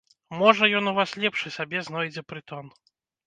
Можа, ён у вас лепшы сабе знойдзе прытон.